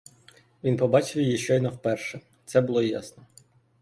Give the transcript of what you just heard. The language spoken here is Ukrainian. Він побачив її щойно вперше, це було ясно.